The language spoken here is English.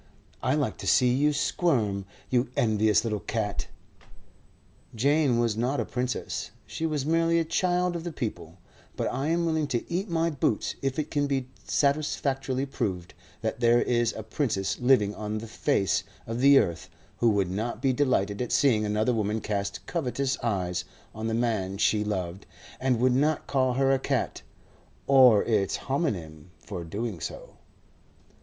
I like to see you squirm, you envious little cat." Jane was not a princess, she was merely a child of the people; but I am willing to eat my boots if it can be satisfactorily proved that there is a princess living on the face of the earth who would not be delighted at seeing another woman cast covetous eyes on the man she loved, and would not call her a cat (or its homonym) for doing so.